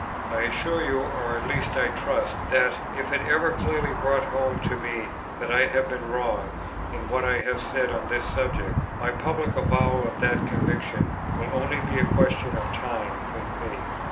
I assure you, or at least I trust, that, if it is ever clearly brought home to me that I have been wrong in what I have said on this subject, my public avowal of that conviction will only be a question of time with me.